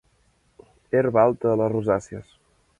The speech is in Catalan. Herba alta de les rosàcies.